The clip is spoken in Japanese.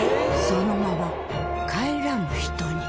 そのまま帰らぬ人に。